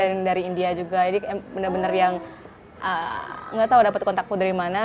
ada yang dari india juga jadi benar benar yang nggak tahu dapat kontakku dari mana